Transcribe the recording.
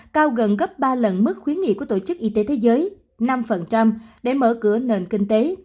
cao gần gấp ba lần mức khuyến nghị của tổ chức y tế thế giới năm để mở cửa nền kinh tế